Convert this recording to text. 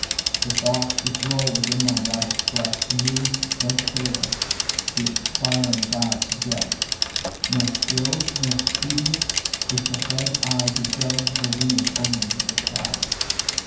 The thoughts which roll within my ravish'd breast, To me, no seer, the inspiring gods suggest; Nor skill'd nor studious, with prophetic eye To judge the winged omens of the sky.